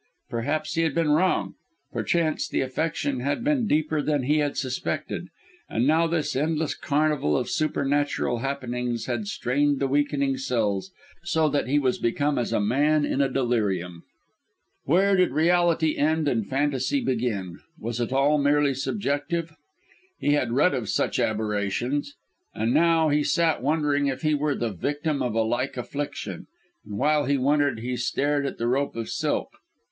perhaps he had been wrong perchance the affection had been deeper than he had suspected; and now this endless carnival of supernatural happenings had strained the weakened cells, so that he was become as a man in a delirium! Where did reality end and phantasy begin? Was it all merely subjective? He had read of such aberrations. And now he sat wondering if he were the victim of a like affliction and while he wondered he stared at the rope of silk.